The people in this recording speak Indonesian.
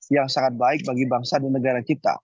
yang sangat baik bagi bangsa dan negara kita